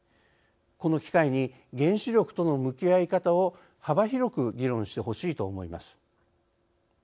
この機会に原子力との向き合い方を幅広く議論してほしいと思います。